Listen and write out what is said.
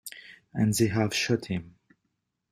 And they have shot him.